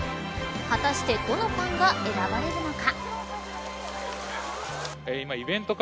果たしてどのパンが選ばれるのか。